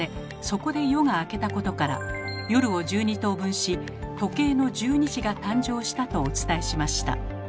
そこで夜が明けたことから夜を１２等分し時計の１２時が誕生したとお伝えしました。